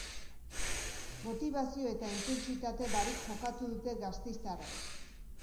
Motibazio eta intentsitate barik jokatu dute gasteiztarrek.